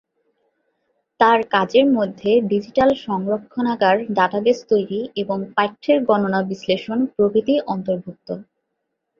তাঁর কাজের মধ্যে ডিজিটাল সংরক্ষণাগার, ডাটাবেস তৈরি এবং পাঠ্যের গণনা বিশ্লেষণ প্রভৃতি অন্তর্ভুক্ত।